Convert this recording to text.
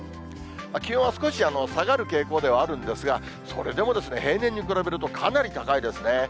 気温は少し下がる傾向ではあるんですが、それでも、平年に比べると、かなり高いですね。